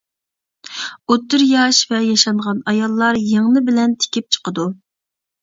ئوتتۇرا ياش ۋە ياشانغان ئاياللار يىڭنە بىلەن تىكىپ چىقىدۇ.